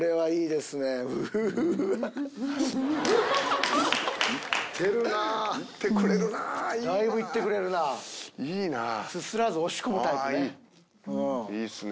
すすらず押し込むタイプね。